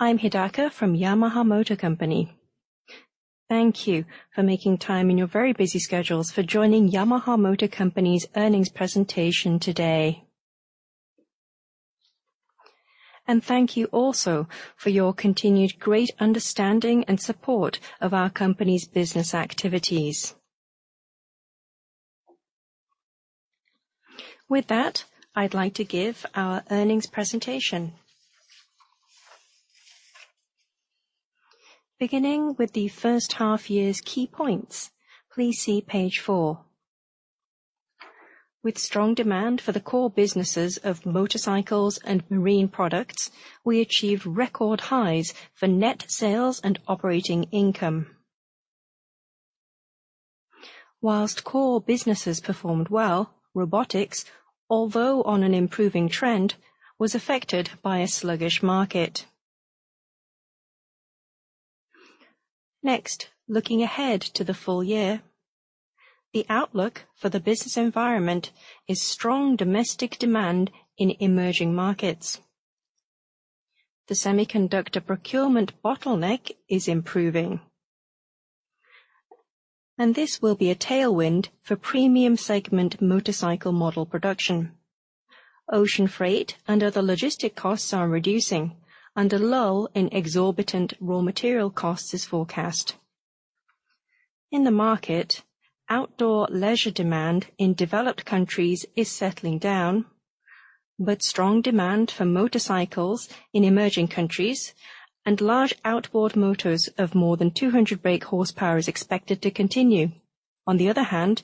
I'm Hidaka from Yamaha Motor Company. Thank you for making time in your very busy schedules for joining Yamaha Motor Company's earnings presentation today. Thank you also for your continued great understanding and support of our company's business activities. With that, I'd like to give our earnings presentation. Beginning with the first half year's key points, please see page 4. With strong demand for the core businesses of motorcycles and marine products, we achieved record highs for net sales and operating income. While core businesses performed well, robotics, although on an improving trend, was affected by a sluggish market. Next, looking ahead to the full year, the outlook for the business environment is strong domestic demand in emerging markets. The semiconductor procurement bottleneck is improving, and this will be a tailwind for premium segment motorcycle model production. Ocean freight and other logistic costs are reducing, and a lull in exorbitant raw material costs is forecast. In the market, outdoor leisure demand in developed countries is settling down, but strong demand for motorcycles in emerging countries and large outboard motors of more than 200 brake horsepower is expected to continue. On the other hand,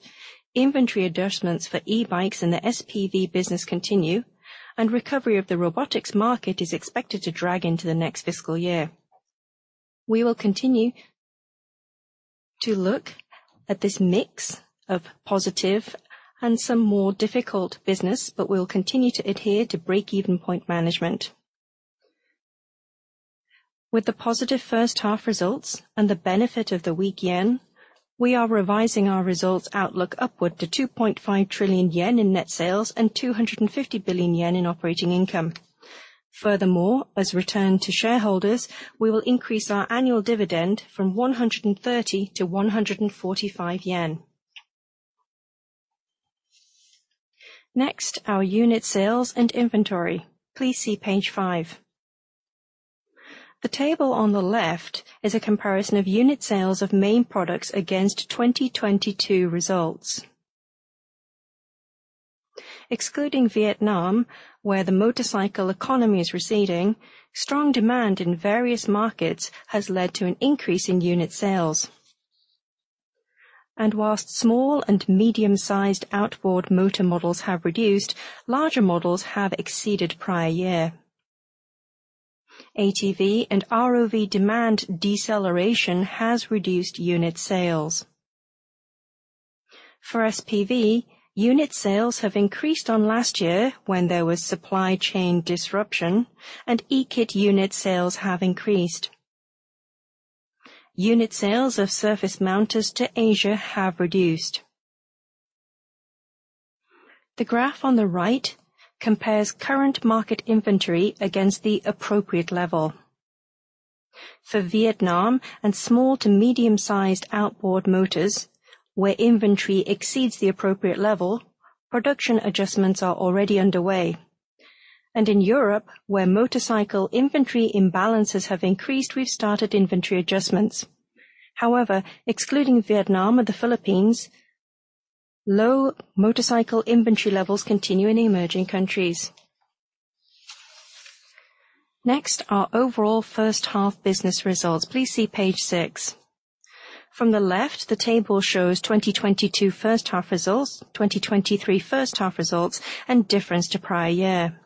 inventory adjustments for e-bikes and the SPV business continue, and recovery of the robotics market is expected to drag into the next fiscal year. We will continue to look at this mix of positive and some more difficult business, but we will continue to adhere to break-even point management. With the positive first half results and the benefit of the weak yen, we are revising our results outlook upward to 2.5 trillion yen in net sales and 250 billion yen in operating income. Furthermore, as return to shareholders, we will increase our annual dividend from 130 to 145 yen. Next, our unit sales and inventory. Please see page five. The table on the left is a comparison of unit sales of main products against 2022 results. Excluding Vietnam, where the motorcycle economy is receding, strong demand in various markets has led to an increase in unit sales. Whilst small and medium-sized outboard motor models have reduced, larger models have exceeded prior year. ATV and ROV demand deceleration has reduced unit sales. For SPV, unit sales have increased on last year when there was supply chain disruption, and eKit unit sales have increased. Unit sales of surface mounters to Asia have reduced. The graph on the right compares current market inventory against the appropriate level. For Vietnam and small to medium-sized outboard motors, where inventory exceeds the appropriate level, production adjustments are already underway. In Europe, where motorcycle inventory imbalances have increased, we've started inventory adjustments. However, excluding Vietnam and the Philippines, low motorcycle inventory levels continue in emerging countries. Next, our overall first half business results. Please see page 6. From the left, the table shows 2022 first half results, 2023 first half results, and difference to prior year.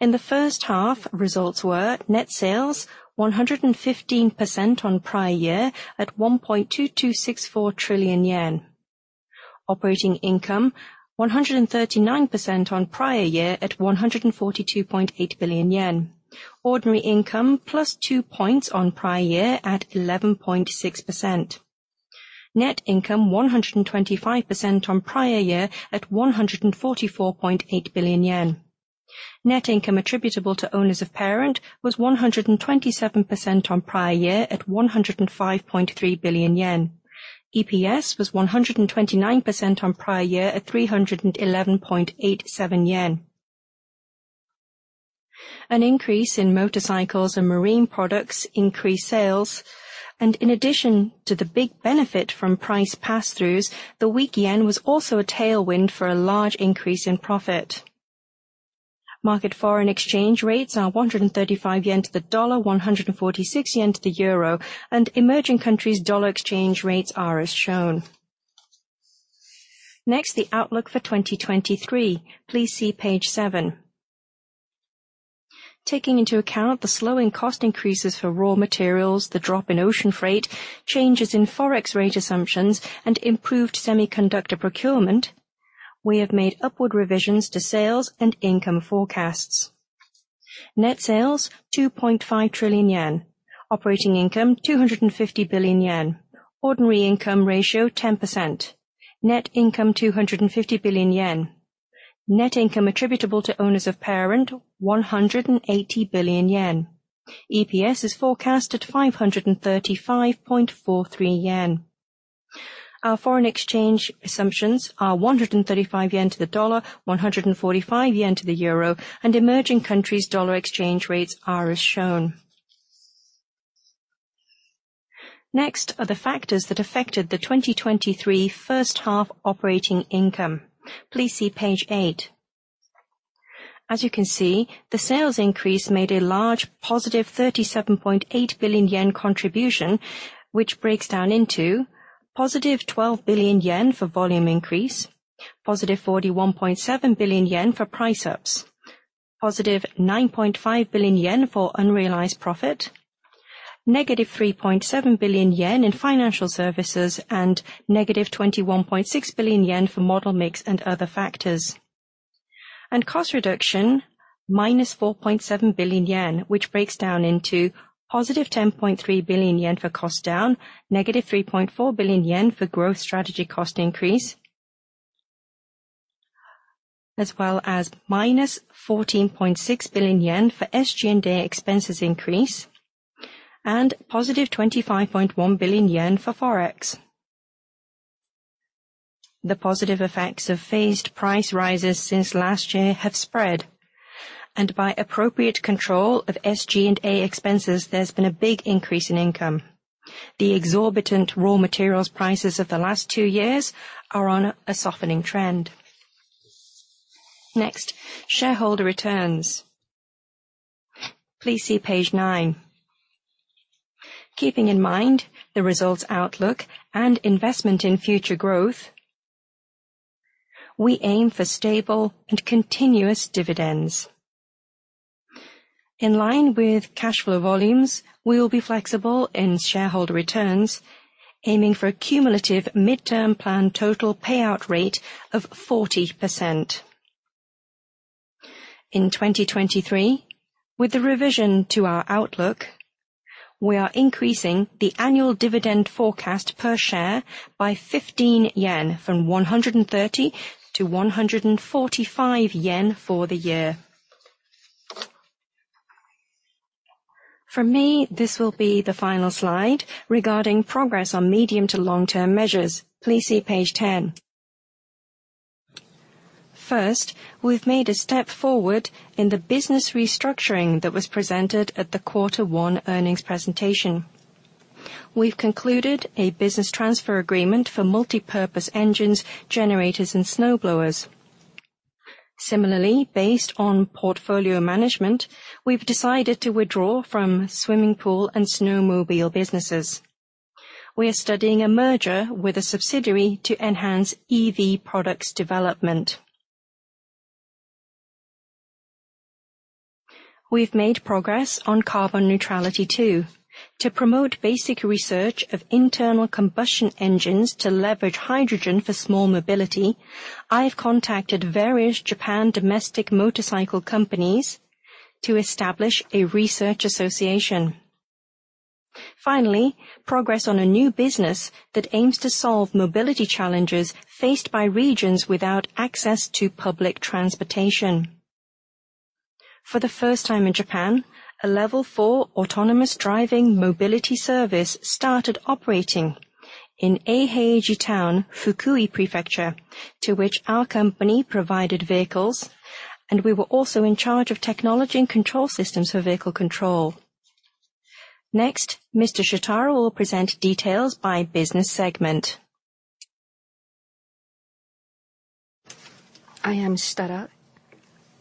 In the first half, results were net sales 115% on prior year at 1.2264 trillion yen. Operating income 139% on prior year at 142.8 billion yen. Ordinary income +2 points on prior year at 11.6%. Net income 125% on prior year at 144.8 billion yen. Net income attributable to owners of parent was 127% on prior year at 105.3 billion yen. EPS was 129% on prior year at 311.87 yen. An increase in motorcycles and marine products increased sales, and in addition to the big benefit from price pass-throughs, the weak yen was also a tailwind for a large increase in profit. Market foreign exchange rates are 135 yen to the dollar, 146 yen to the euro, and emerging countries dollar exchange rates are as shown. Next, the outlook for 2023. Please see page seven. Taking into account the slowing cost increases for raw materials, the drop in ocean freight, changes in Forex rate assumptions, and improved semiconductor procurement, we have made upward revisions to sales and income forecasts. Net sales, 2.5 trillion yen. Operating income, 250 billion yen. Ordinary income ratio, 10%. Net income, 250 billion yen. Net income attributable to owners of parent, 180 billion yen. EPS is forecast at 535.43 yen. Our foreign exchange assumptions are 135 yen to the dollar, 145 yen to the euro, and emerging countries dollar exchange rates are as shown. Next are the factors that affected the 2023 first half operating income. Please see page 8. As you can see, the sales increase made a large positive 37.8 billion yen contribution, which breaks down into positive 12 billion yen for volume increase, positive 41.7 billion yen for price ups, positive 9.5 billion yen for unrealized profit, negative 3.7 billion yen in financial services, and negative 21.6 billion yen for model mix and other factors. Cost reduction, minus 4.7 billion yen, which breaks down into positive 10.3 billion yen for cost down, negative 3.4 billion yen for growth strategy cost increase, as well as minus 14.6 billion yen for SG&A expenses increase, and positive 25.1 billion yen for Forex. The positive effects of phased price rises since last year have spread, and by appropriate control of SG&A expenses, there's been a big increase in income. The exorbitant raw materials prices of the last two years are on a softening trend. Next, shareholder returns. Please see page 9. Keeping in mind the results outlook and investment in future growth, we aim for stable and continuous dividends. In line with cash flow volumes, we will be flexible in shareholder returns, aiming for a cumulative midterm plan total payout rate of 40%. In 2023, with the revision to our outlook, we are increasing the annual dividend forecast per share by 15 yen, from 130 JPY to 145 yen for the year. For me, this will be the final slide regarding progress on medium to long-term measures. Please see page 10. First, we've made a step forward in the business restructuring that was presented at the quarter one earnings presentation. We've concluded a business transfer agreement for multi-purpose engines, generators, and snow blowers. Similarly, based on portfolio management, we've decided to withdraw from swimming pool and snowmobile businesses. We are studying a merger with a subsidiary to enhance EV products development. We've made progress on carbon neutrality, too. To promote basic research of internal combustion engines to leverage hydrogen for small mobility, I've contacted various Japan domestic motorcycle companies to establish a research association. Finally, progress on a new business that aims to solve mobility challenges faced by regions without access to public transportation. For the first time in Japan, a Level 4 autonomous driving mobility service started operating in Eiheiji Town, Fukui Prefecture, to which our company provided vehicles, and we were also in charge of technology and control systems for vehicle control. Next, Mr. Shitara will present details by business segment. I am Shitara,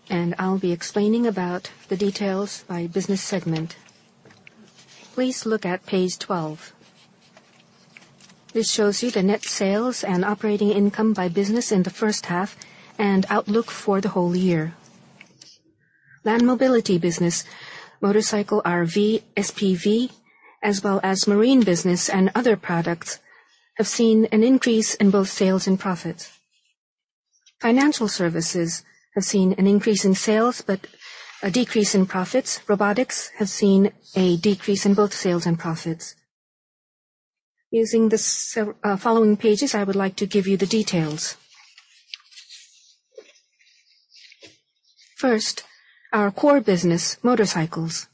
and I'll be explaining about the details by business segment. Please look at page 12. This shows you the net sales and operating income by business in the first half and outlook for the whole year. Land Mobility business, motorcycle, RV, SPV, as well as Marine business and other products, have seen an increase in both sales and profits. financial services have seen an increase in sales, but a decrease in profits. Robotics have seen a decrease in both sales and profits. Using the following pages, I would like to give you the details. First, our core business, motorcycles.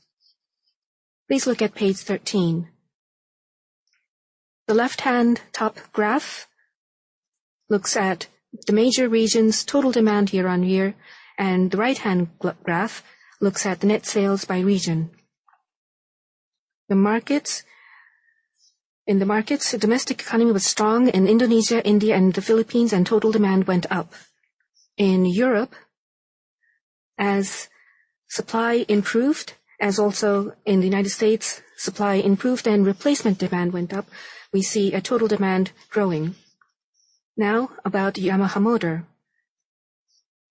Please look at page 13. The left-hand top graph looks at the major regions' total demand year-on-year, and the right-hand graph looks at the net sales by region. In the markets, domestic economy was strong in Indonesia, India, and the Philippines. Total demand went up. In Europe, as supply improved, as also in the United States, supply improved and replacement demand went up, we see a total demand growing. About Yamaha Motor.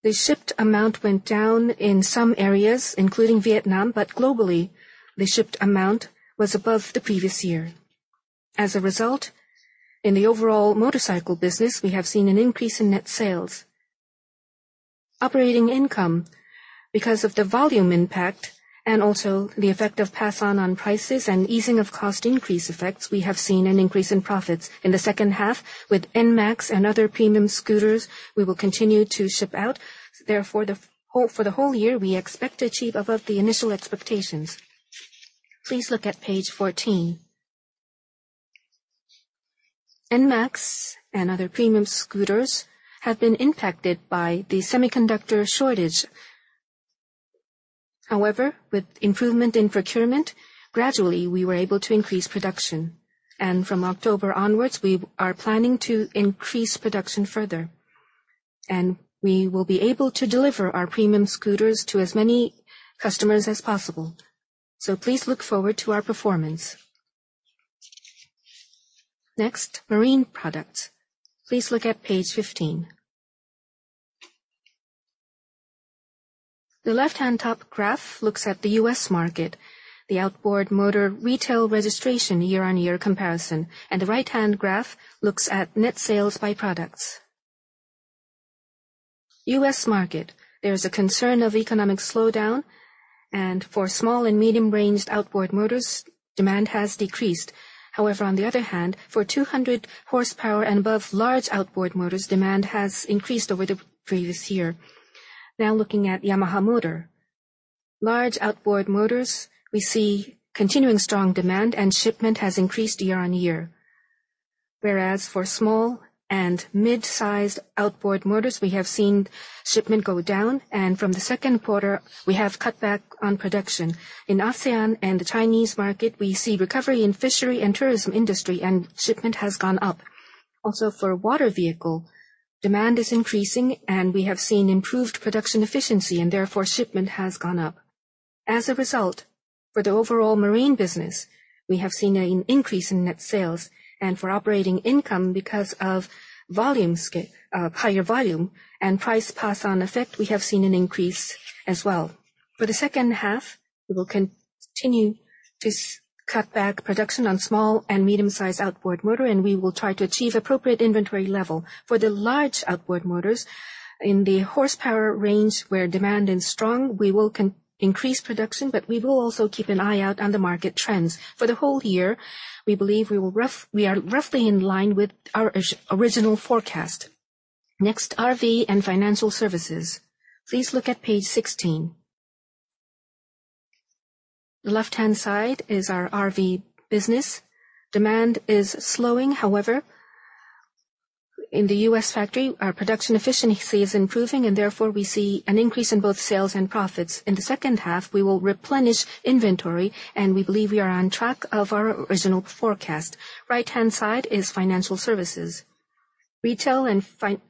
The shipped amount went down in some areas, including Vietnam. Globally, the shipped amount was above the previous year. As a result, in the overall motorcycle business, we have seen an increase in net sales. Operating income. Because of the volume impact and also the effect of pass on on prices and easing of cost increase effects, we have seen an increase in profits. In the second half, with NMAX and other premium scooters, we will continue to ship out. For the whole year, we expect to achieve above the initial expectations. Please look at page 14. NMAX and other premium scooters have been impacted by the semiconductor shortage. With improvement in procurement, gradually, we were able to increase production, and from October onwards, we are planning to increase production further, and we will be able to deliver our premium scooters to as many customers as possible. Please look forward to our performance. Marine products. Please look at page 15. The left-hand top graph looks at the US market, the outboard motor retail registration year-on-year comparison, and the right-hand graph looks at net sales by products. US market, there is a concern of economic slowdown, and for small and medium-ranged outboard motors, demand has decreased. On the other hand, for 200 horsepower and above, large outboard motors, demand has increased over the previous year. Looking at Yamaha Motor. Large outboard motors, we see continuing strong demand, and shipment has increased year-on-year. For small and mid-sized outboard motors, we have seen shipment go down, and from the Q2, we have cut back on production. In ASEAN and the Chinese market, we see recovery in fishery and tourism industry. Shipment has gone up. For water vehicle, demand is increasing. We have seen improved production efficiency. Therefore, shipment has gone up. For the overall marine business, we have seen an increase in net sales and for operating income because of volume scale, higher volume and price pass-on effect, we have seen an increase as well. For the second half, we will continue to cut back production on small and medium-sized outboard motor. We will try to achieve appropriate inventory level. For the large outboard motors in the horsepower range, where demand is strong, we will increase production. We will also keep an eye out on the market trends. For the whole year, we believe we are roughly in line with our original forecast. Next, RV and financial services. Please look at page 16. The left-hand side is our RV business. Demand is slowing. However, in the US factory, our production efficiency is improving. Therefore, we see an increase in both sales and profits. In the second half, we will replenish inventory. We believe we are on track of our original forecast. Right-hand side is financial services. Retail and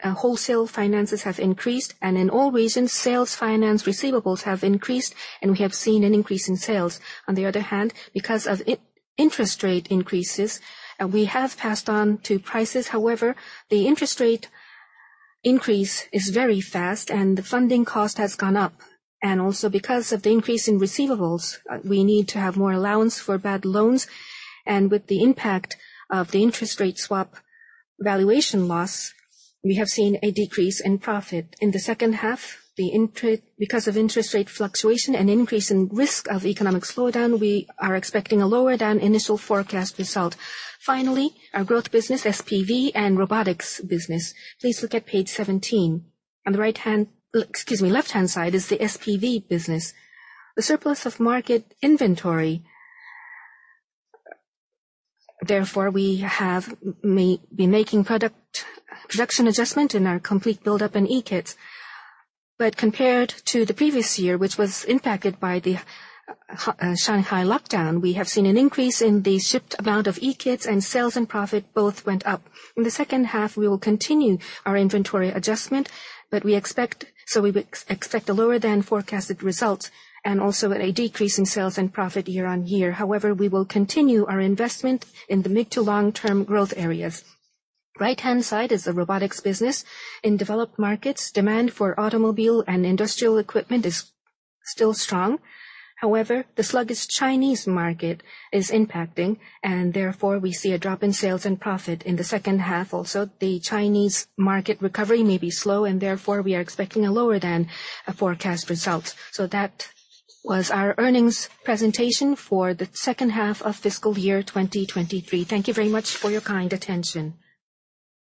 wholesale finances have increased. In all regions, sales finance receivables have increased. We have seen an increase in sales. On the other hand, because of interest rate increases, we have passed on to prices. However, the interest rate increase is very fast, and the funding cost has gone up, and also because of the increase in receivables, we need to have more allowance for bad loans, and with the impact of the interest rate swap valuation loss, we have seen a decrease in profit. In the second half, because of interest rate fluctuation and increase in risk of economic slowdown, we are expecting a lower-than-initial forecast result. Finally, our growth business, SPV and robotics business. Please look at page 17. On the right-hand, excuse me, left-hand side is the SPV business, the surplus of market inventory. Therefore, we have been making production adjustment in our complete build-up and eKits. Compared to the previous year, which was impacted by the Shanghai lockdown, we have seen an increase in the shipped amount of eKits, and sales and profit both went up. In the second half, we will continue our inventory adjustment, but we expect a lower-than-forecasted results and also a decrease in sales and profit year-on-year. We will continue our investment in the mid to long-term growth areas. Right-hand side is the robotics business. In developed markets, demand for automobile and industrial equipment is still strong. The sluggish Chinese market is impacting, and therefore, we see a drop in sales and profit. In the second half also, the Chinese market recovery may be slow and therefore, we are expecting a lower-than-forecast result. That was our earnings presentation for the second half of fiscal year 2023. Thank you very much for your kind attention.